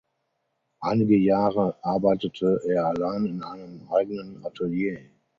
Einige Jahre arbeitete er allein in einem eigenen Atelier.